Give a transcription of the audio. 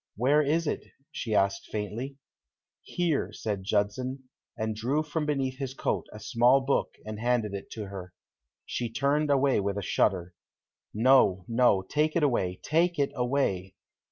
"Where is it?" she asked faintly. "Here," said Judson, and he drew from beneath his coat a small book and handed it to her. She turned away with a shudder. "No, no. Take it away. Take it away."